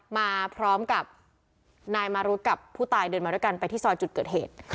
มาพร้อมกับนายมารุธกับผู้ตายเดินมาด้วยกันไปที่ซอยจุดเกิดเหตุ